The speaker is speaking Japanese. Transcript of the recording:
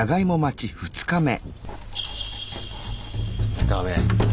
２日目。